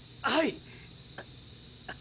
はい。